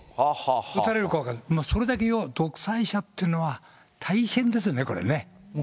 撃たれるか分からないから、それだけ要は独裁者っていうのは、大変ですよね、これ。